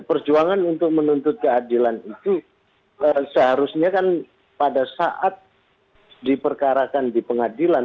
perjuangan untuk menuntut keadilan itu seharusnya kan pada saat diperkarakan di pengadilan